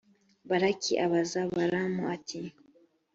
balaki abaza balamu ati